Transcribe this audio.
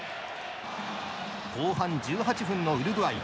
後半１８分のウルグアイ。